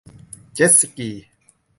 เจ็ตสกี